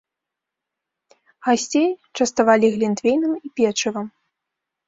Гасцей частавалі глінтвейнам і печывам.